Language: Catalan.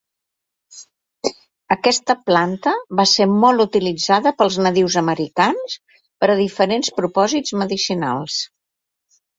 Aquesta planta va ser molt utilitzada pels nadius americans per a diferents propòsits medicinals.